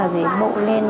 để bộ lên